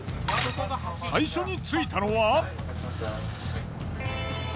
最初に着いたのは。